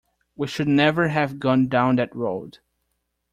We should never have gone down that road.